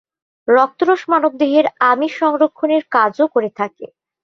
রক্তরস মানবদেহের আমিষ সংরক্ষণের কাজও করে থাকে।